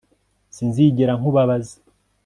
Sinzigera nkubabaza